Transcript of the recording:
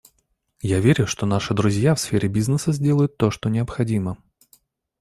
Я верю, что наши друзья в сфере бизнеса сделают то, что необходимо.